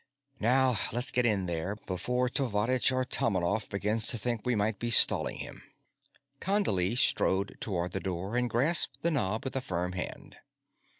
Now, let's get in there before Tovarishch Artomonov begins to think we might be stalling him." Condley strode toward the door and grasped the knob with a firm hand.